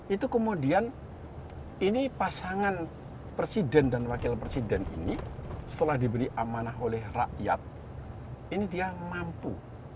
itu kemudian ini pasangan presiden dan wakil presiden ini setelah diberi amanah oleh rakyat ini dia mampu